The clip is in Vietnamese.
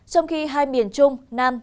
trong khi hai miền trung nam